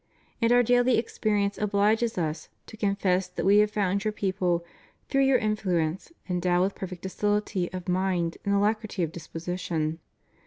And Our daily experience obliges Us to confess that We have found your people, through your influence, endowed with perfect docility of mind and alacrity of disposition.